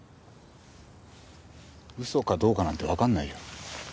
嘘かどうかなんてわかんないよ。